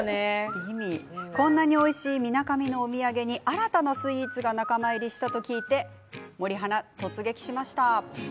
こんなにおいしいみなかみのお土産に新たなスイーツが仲間入りしたと聞いて森花、突撃しました。